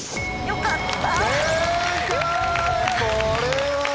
よかった！